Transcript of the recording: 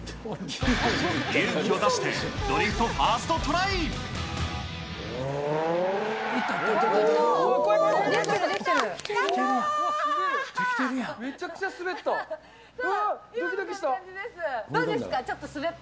勇気を出してドリフトファーやった！